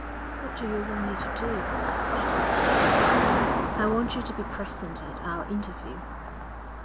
'What do you want me to do?' she asked. 'I want you to be present at our interview.'